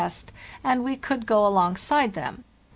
W.,), and we could go alongside them.